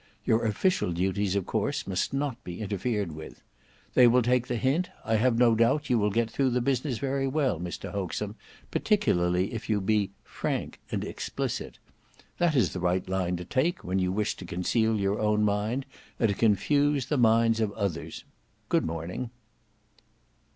Your official duties of course must not be interfered with. They will take the hint. I have no doubt you will get through the business very well, Mr Hoaxem, particularly if you be 'frank and explicit;' that is the right line to take when you wish to conceal your own mind and to confuse the minds of others. Good morning!"